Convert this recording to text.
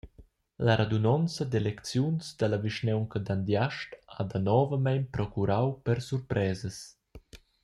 La radunonza d’elecziuns dalla vischnaunca d’Andiast ha danovamein procurau per surpresas.